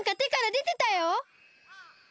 でてたね。